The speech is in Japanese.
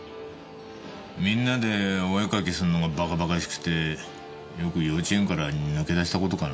みんなでお絵描きすんのが馬鹿馬鹿しくてよく幼稚園から抜け出した事かな。